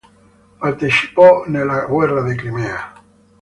Partecipò nella guerra di Crimea.